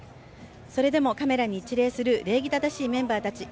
それでもカメラに一礼する礼儀正しいメンバーたち。